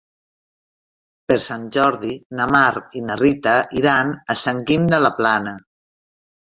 Per Sant Jordi na Mar i na Rita iran a Sant Guim de la Plana.